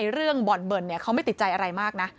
เรื่องบ่อนเบิ่นเขาไม่ติดใจอะไรมากนะ